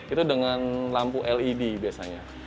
itu dengan lampu led biasanya